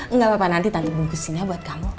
nggak apa apa nanti tante bungkusinnya buat kamu